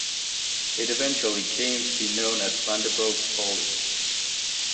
It eventually came to be known as "Vanderbilt's Folly".